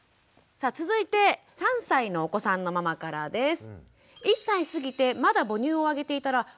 さあ続いて３歳のお子さんのママからです。